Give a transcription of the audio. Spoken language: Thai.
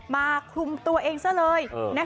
มาคลุมตัวเองซะเลย